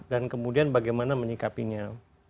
dan kemudian bagaimana menyikapinya